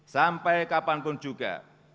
sampai kapanpun juga